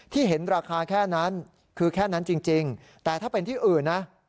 เห็นราคาแค่นั้นคือแค่นั้นจริงแต่ถ้าเป็นที่อื่นนะ